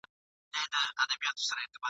او له پاسه د ګیدړ په تماشې سو ..